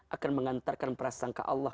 akan mengantarkan prasangka allah